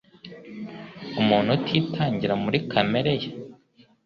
Umuntu utitangira muri kamere ye